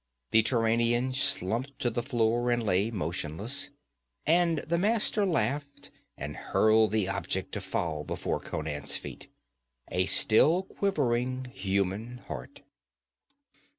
The Turanian slumped to the floor and lay motionless, and the Master laughed and hurled the object to fall before Conan's feet a still quivering human heart.